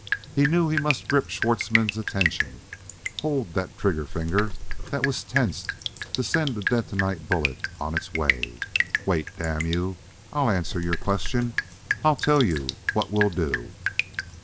He knew he must grip Schwartzmann's attention hold that trigger finger that was tensed to send a detonite bullet on its way. "Wait, damn you! I'll answer your question. I'll tell you what we'll do!"